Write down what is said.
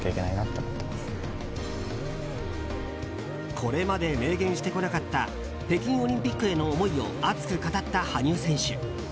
これまで明言してこなかった北京オリンピックへの思いを熱く語った羽生選手。